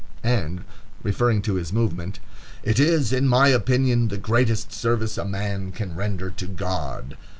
And referring to his movement: "It is, in my opinion, the greatest service a man can render to God."